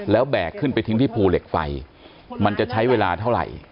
แล้วแบกขึ้นไปทิ้งที่ภูเหล็กไฟมันจะใช้เวลาเท่าไหร่